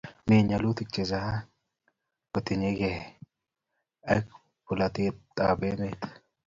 Mi ng'alalutik chechang' kotinykey ak polatet ap emet